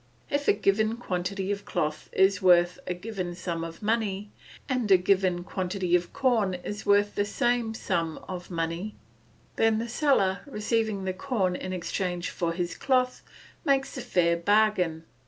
If a given quantity of cloth is worth a given some of money, and a given quantity of corn is worth the same sum of money, then the seller, receiving the corn in exchange for his cloth, makes a fair bargain.